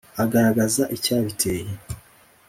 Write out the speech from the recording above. Agaragaza icyabiteye.